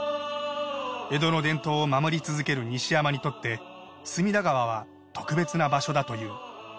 江戸の伝統を守り続ける西山にとって隅田川は特別な場所だという。